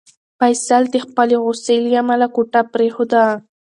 فیصل د خپلې غوسې له امله کوټه پرېښوده.